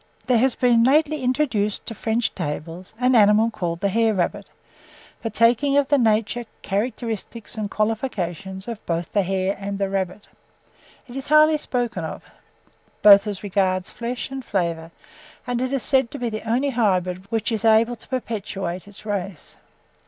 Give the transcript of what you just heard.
There has been lately introduced to French tables an animal called the "Hare rabbit," partaking of the nature, characteristics, and qualifications of both the hare and the rabbit. It is highly spoken of, both as regards flesh and flavour; and it is said to be the only hybrid which is able to perpetuate its race.